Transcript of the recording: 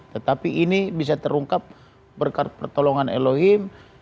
tetapi ini bisa terungkap berkat pertolongan elohim